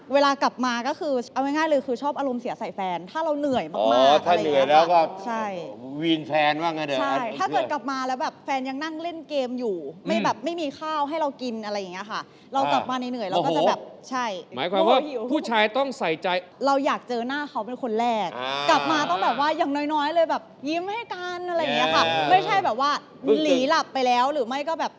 เวลากลับมาก็คือเอาไงง่ายเลยคือชอบอารมณ์เสียใส่แฟนถ้าเราเหนื่อยมากถ้าเหนื่อยแล้วก็วีนแฟนบ้างก็เดี๋ยวถ้าเกิดกลับมาแล้วแฟนยังนั่งเล่นเกมอยู่ไม่แบบไม่มีข้าวให้เรากินอะไรอย่างนี้ค่ะเรากลับมาเหนื่อยแล้วก็จะแบบใช่หมายความว่าผู้ชายต้องใส่ใจเราอยากเจอหน้าเขาเป็นคนแรกกลับมาต้องแบบว่